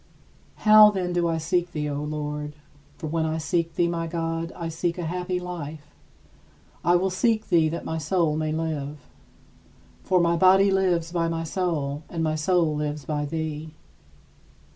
How, then, do I seek thee, O Lord? For when I seek thee, my God, I seek a happy life. I will seek thee that my soul may live. For my body lives by my soul, and my soul lives by thee.